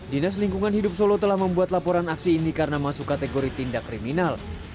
dinas lingkungan hidup solo telah membuat laporan aksi ini karena masuk kategori tindak kriminal